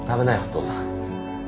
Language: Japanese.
父さん。